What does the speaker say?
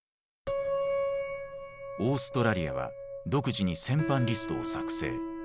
オーストラリアは独自に戦犯リストを作成。